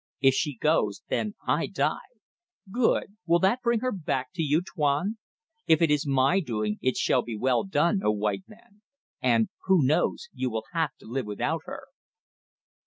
If she goes then I die. Good! Will that bring her back do you think Tuan? If it is my doing it shall be well done, O white man! and who knows you will have to live without her."